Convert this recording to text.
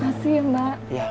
justru aku bilang